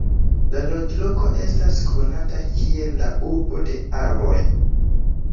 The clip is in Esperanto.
La loĝloko estas konata kiel la "Urbo de Arboj".